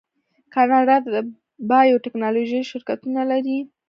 کاناډا د بایو ټیکنالوژۍ شرکتونه لري.